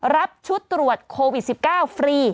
รับชุดตรวจโควิด๑๙ฟรี